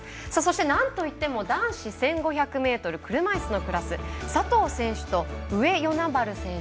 なんといっても男子１５００ｍ車いすのクラス佐藤選手と上与那原選手